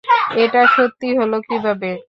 এটা সত্যি হলো কীভাবে!